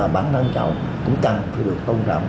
bản thân cháu cũng cần phải được tôn trọng